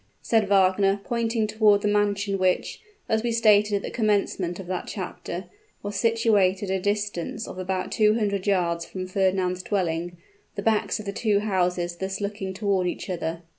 said Wagner, pointing toward the mansion which, as we stated at the commencement of that chapter, was situated at a distance of about two hundred yards from Fernand's dwelling, the backs of the two houses thus looking toward each other.